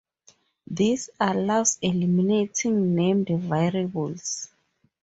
This allows eliminating named variables.